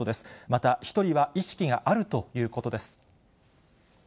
また、１人は意識があるということです。